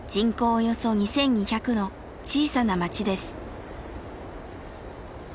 およそ２，２００の小さな町です。